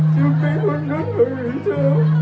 เป็นความรักทั้งในเธอ